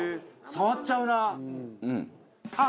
触っちゃうな。